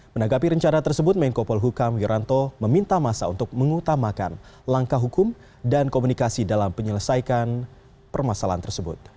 menanggapi rencana tersebut menko polhukam wiranto meminta masa untuk mengutamakan langkah hukum dan komunikasi dalam penyelesaikan permasalahan tersebut